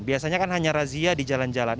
biasanya kan hanya razia di jalan jalan